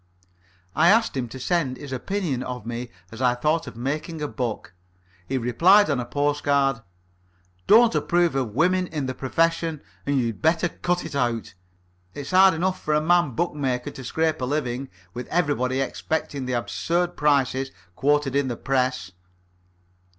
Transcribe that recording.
I asked him to send his opinion of me as I thought of making a book. He replied on a postcard: "Don't approve of women in the profession, and you'd better cut it out. It's hard enough for a man bookmaker to scrape a living, with everybody expecting the absurd prices quoted in the press."